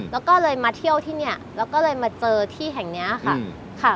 แล้วก็เลยมาเที่ยวที่เนี่ยแล้วก็เลยมาเจอที่แห่งนี้ค่ะ